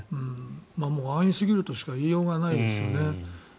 もう安易すぎるとしか言いようがないですよね。